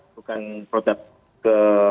bukan produk ke